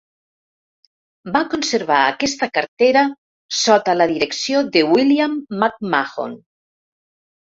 Va conservar aquesta cartera sota la direcció de William McMahon.